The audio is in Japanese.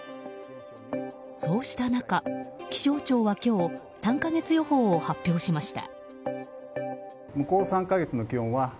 そうした中、気象庁は今日３か月予報を発表しました。